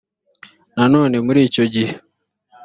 nanone muri icyo gihe